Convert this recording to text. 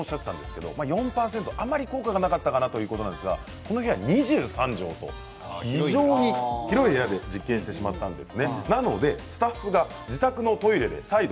華丸さんもおっしゃってましたけど４％あまり効果がなかったかなという感じなんですがこの部屋は２３畳と非常に広い部屋で実験してしまったんです。